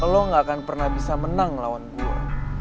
lo gak akan pernah bisa menang lawan gue